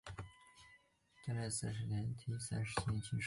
嘉靖四十年辛未科第三甲第三十七名进士。